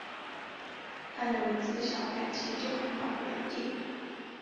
她有个自小感情就很好的表弟